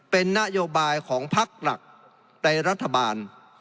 เป็นนโยบายของพักหลักในรัฐบาล